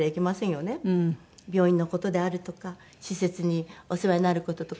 病院の事であるとか施設にお世話になる事とか。